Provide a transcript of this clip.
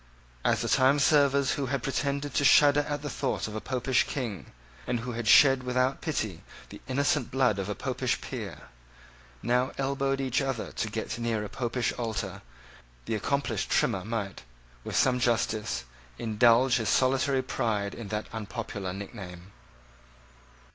As the timeservers who had pretended to shudder at the thought of a Popish king, and who had shed without pity the innocent blood of a Popish peer, now elbowed each other to get near a Popish altar, the accomplished Trimmer might, with some justice, indulge his solitary pride in that unpopular nickname.